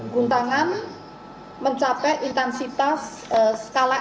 guncangan mencapai intensitas skala mmi tiga